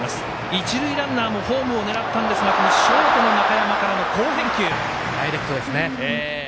一塁ランナーもホームを狙ったんですがショートの中山からの好返球。